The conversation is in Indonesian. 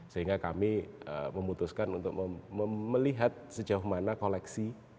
sehingga kami memutuskan untuk melihat sejauh mana koleksi